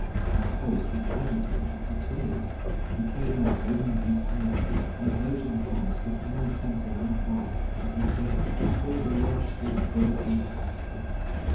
Our host was agitated to tears; he came out wringing his hands, and urging upon us that any attempt on our part to enter would cause a rush that would break his house down.